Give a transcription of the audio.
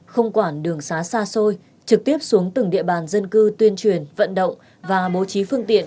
không quản đường xá xa xôi trực tiếp xuống từng địa bàn dân cư tuyên truyền vận động và bố trí phương tiện